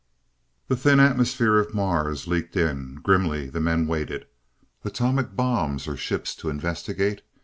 The thin atmosphere of Mars leaked in. Grimly the men waited. Atomic bombs or ships to investigate?